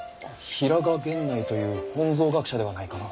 平賀源内という本草学者ではないかの。